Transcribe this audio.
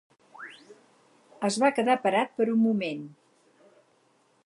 Es va quedar parat per un moment.